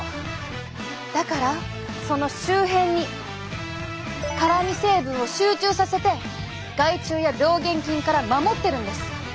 だからその周辺に辛み成分を集中させて害虫や病原菌から守ってるんです。